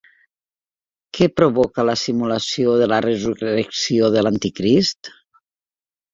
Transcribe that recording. Què provoca la simulació de la resurrecció de l'anticrist?